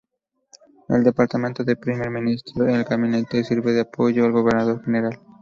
El Departamento del Primer Ministro y el Gabinete sirve de apoyo al gobernador general.